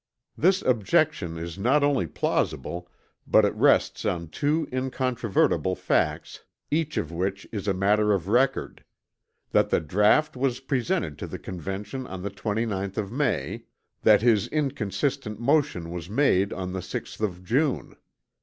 This objection is not only plausible but it rests on two incontrovertible facts each of which is a matter of record that the draught was presented to the Convention on the 29th of May; that his inconsistent motion was made on the 6th of June.